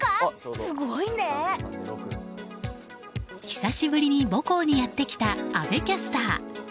久しぶりに母校にやってきた阿部キャスター。